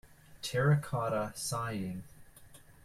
Terracotta Sighing.